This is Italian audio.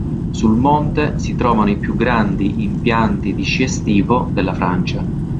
Sul monte si trovano i più grandi impianti di sci estivo della Francia.